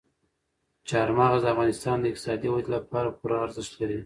چار مغز د افغانستان د اقتصادي ودې لپاره پوره ارزښت لري.